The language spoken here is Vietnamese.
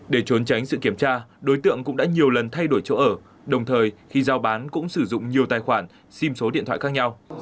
để trốn tránh sự kiểm tra đối tượng cũng đã nhiều lần thay đổi chỗ ở đồng thời khi giao bán cũng sử dụng nhiều tài khoản sim số điện thoại khác nhau